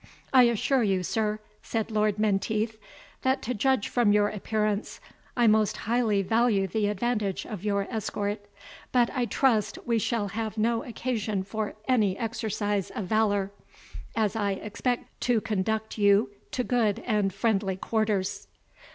"I assure you, sir," said Lord Menteith, "that to judge from your appearance, I most highly value the advantage of your escort; but, I trust, we shall have no occasion for any exercise of valour, as I expect to conduct you to good and friendly quarters."